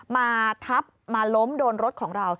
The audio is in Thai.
มาทับมาล้มโดนรถของเรา